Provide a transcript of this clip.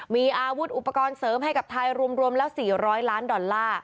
มีอาวุธอุปกรณ์เสริมให้กับไทยรวมแล้ว๔๐๐ล้านดอลลาร์